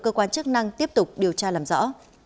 cơ quan chức năng tiếp tục điều tra làm rõ